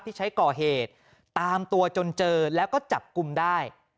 ที่ใช้ก่อเหตุตามตัวจนเจอแล้วก็จับกลุ่มได้